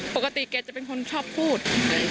ปกติแกจะเป็นคนชอบพูด